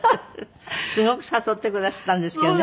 すごく誘ってくだすったんですけどね。